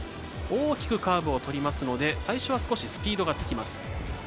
大きくカーブをとりますので最初は少しスピードがつきます。